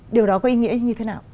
điều đó có ý nghĩa như thế nào